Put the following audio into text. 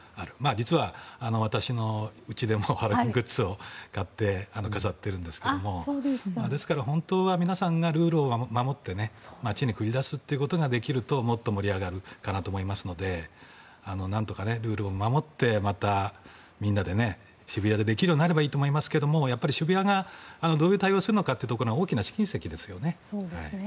実は私のうちでもハロウィーングッズを買って飾っているんですけどもですから、本当は皆さんがルールを守って街に繰り出すということができるともっと盛り上がるかなと思いますのでなんとかルールを守ってまたみんなで渋谷でできるようになればいいと思いますが渋谷がどういう対応をするのかが大きな試金石ですよね。